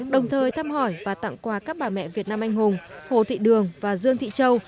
đồng thời thăm hỏi và tặng quà các bà mẹ việt nam anh hùng hồ thị đường và dương thị châu